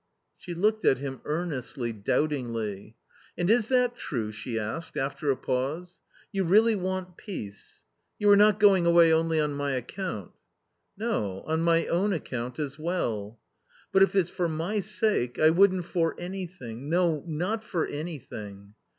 She looked at him earnestly, doubtingly. " And is that .... true ?" she asked, after a pause, " you really want peace ; you are not going away only on * my account ?"" No ; on my own account as well." " But if it's for my sake, I wouldn't for anything, no, not for anything."